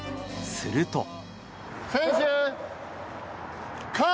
すると。